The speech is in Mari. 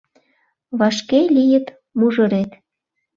Вашке лийыт мужырет.